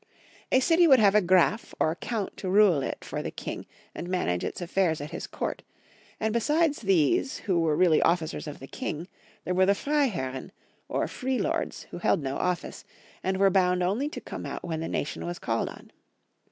A city would have a Graf or Count to rule it for the king and manage its affairs at his court; and besides these who were really of&cers of the king, there were the Freiherren, or free lords, who held no office, and were bound only to come out when the nation was called on.